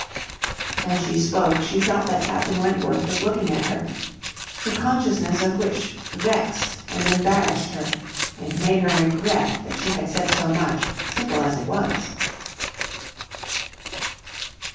As she spoke, she felt that Captain Wentworth was looking at her, the consciousness of which vexed and embarrassed her, and made her regret that she had said so much, simple as it was.